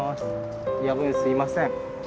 夜分すいません。